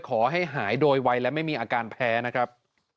ขอให้หายโดยไวและไม่มีอาการแพ้นะครับ